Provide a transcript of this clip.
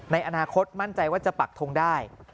ในอนาคตมั่นใจว่าจะปักทงได้